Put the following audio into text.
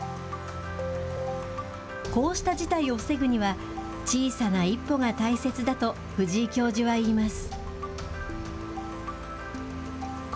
こうした事態を防ぐには、小さな一歩が大切だと、藤井教授は言います。